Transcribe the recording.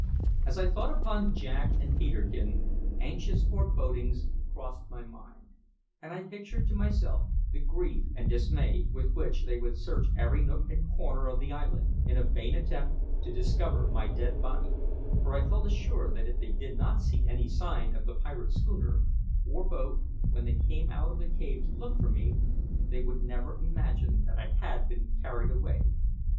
As I thought upon Jack and Peterkin, anxious forebodings crossed my mind, and I pictured to myself the grief and dismay with which they would search every nook and corner of the island in a vain attempt to discover my dead body; for I felt assured that if they did not see any sign of the pirate schooner or boat when they came out of the cave to look for me, they would never imagine that I had been carried away.